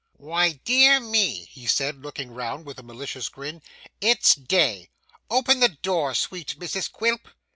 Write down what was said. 'Why dear me!' he said looking round with a malicious grin, 'it's day. Open the door, sweet Mrs Quilp!